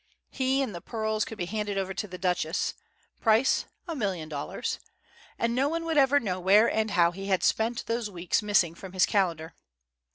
He and the pearls could be handed over to the Duchess; price, a million dollars; and no one would ever know where and how he had spent those weeks missing from his calendar.